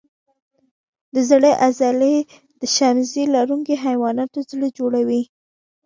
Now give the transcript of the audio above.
د زړه عضله د شمزۍ لرونکو حیواناتو زړه جوړوي.